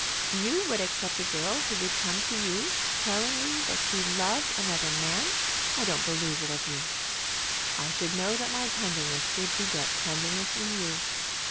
"You would accept a girl who would come to you telling you that she loved another man? I don't believe it of you." "I should know that my tenderness would beget tenderness in you."